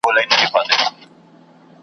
یو پاچا وي بل تر مرګه وړي بارونه .